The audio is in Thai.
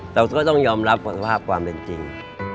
แต่ก็ต้องยอมรับความเป็นจริง